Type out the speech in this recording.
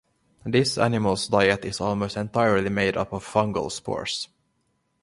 This animal's diet is almost entirely made up of fungal spores.